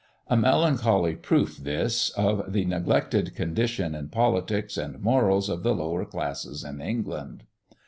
A melancholy proof this of the neglected condition in politics and morals of the lower classes in England.